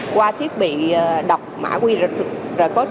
qua thiết bị đọc mã qr code